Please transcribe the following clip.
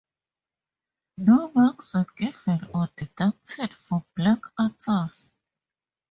No marks were given or deducted for blank answers.